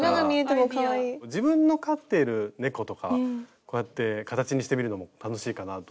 自分の飼っている猫とかこうやって形にしてみるのも楽しいかなと。